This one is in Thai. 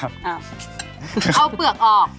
เอาเปลือกออก